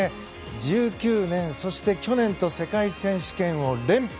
１９年、そして去年と世界選手権を連覇。